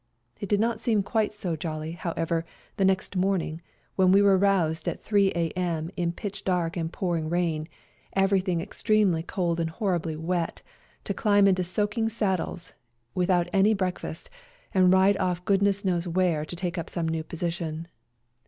It did not seem quite so jolly, however, the next morning, when we were aroused at 3 a.m. in pitch dark and pouring rain, everything extremely cold and horribly wet, to climb into soaking saddles, without any break fast, and ride off goodness knows where to take up some new position.